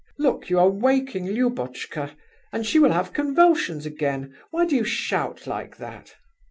Look, you are waking Lubotchka, and she will have convulsions again. Why do you shout like that?"